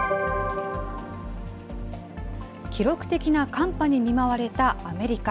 記録的な寒波に見舞われたアメリカ。